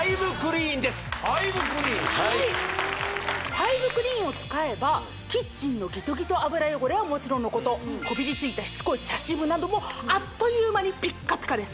ファイブクリーンを使えばキッチンのギトギト油汚れはもちろんこびりついたしつこい茶渋などもあっという間にピッカピカです